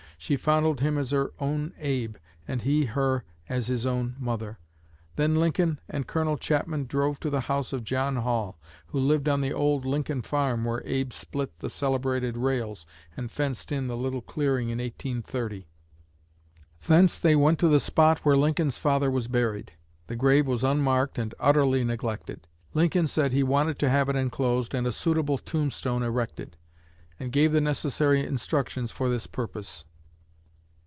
She fondled him as her own 'Abe,' and he her as his own mother. Then Lincoln and Colonel Chapman drove to the house of John Hall, who lived on the old 'Lincoln farm' where Abe split the celebrated rails and fenced in the little clearing in 1830. Thence they went to the spot where Lincoln's father was buried. The grave was unmarked and utterly neglected. Lincoln said he wanted to 'have it enclosed, and a suitable tombstone erected,'" and gave the necessary instructions for this purpose.